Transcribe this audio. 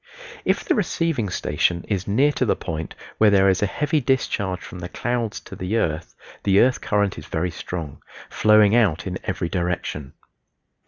If the receiving station is near to the point where there is a heavy discharge from the clouds to the earth the earth current is very strong flowing out in every direction.